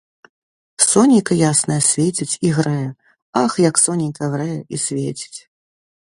Сонейка яснае свеціць і грэе, ах, як сонейка грэе і свеціць!